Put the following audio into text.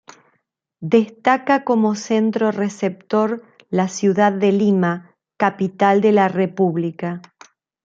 Destaca como centro receptor la ciudad de Lima, Capital de la República.